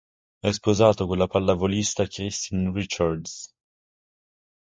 È sposato con la pallavolista Kristin Richards.